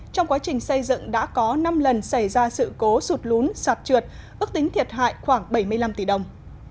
trong quá trình xây dựng đã có năm lần xảy ra sự cố sụt lún sạt trượt ước tính thiệt hại khoảng bảy mươi năm tỷ đồng